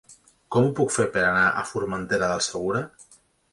Com ho puc fer per anar a Formentera del Segura?